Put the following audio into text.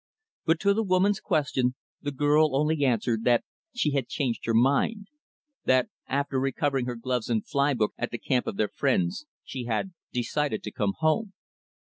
But to the woman's question, the girl only answered that she had changed her mind that, after recovering her gloves and fly book at the camp of their friends, she had decided to come home.